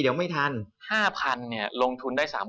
เอามาลงทุน